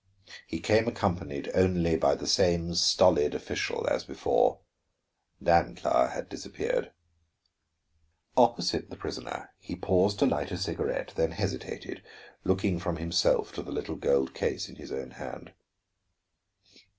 He came accompanied only by the same stolid official as before; Dancla had disappeared. Opposite the prisoner he paused to light a cigarette, then hesitated, looking from him to the little gold case in his own hand.